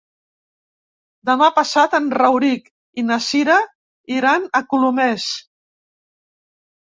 Demà passat en Rauric i na Cira iran a Colomers.